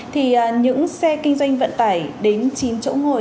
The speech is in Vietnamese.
thì những xe kinh doanh vận tải đến chín chỗ ngồi